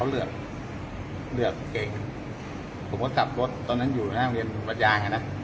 เลือกเก่งผมก็กลับรถตอนนั้นอยู่หน้าเมียนประญานะ